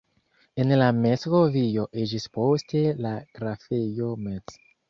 El la Metz-govio iĝis poste la grafejo Metz.